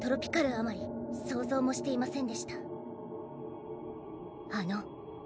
あまり想像もしていませんでした